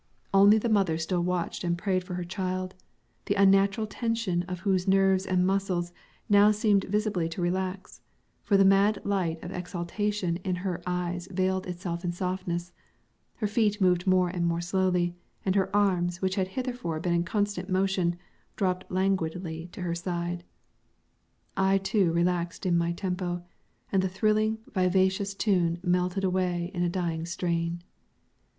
Only the mother still watched and prayed for her child, the unnatural tension of whose nerves and muscles now seemed visibly to relax; for the mad light of exaltation in her eyes veiled itself in softness, her feet moved more and more slowly, and her arms, which had heretofore been in constant motion, dropped languidly to her side. I too relaxed in my tempo, and the thrilling, vivacious tune melted away in a dying strain.